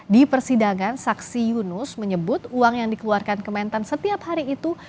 di persidangan saksi yunus menyebut uang yang dikeluarkan kementan setiap hari itu